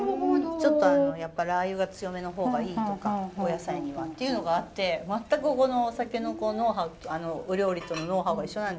ちょっとラー油が強めの方がいいとかお野菜にはっていうのがあって全くこのお酒のノウハウお料理とのノウハウが一緒なんですけど。